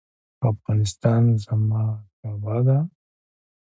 افغانستان زما کعبه ده؟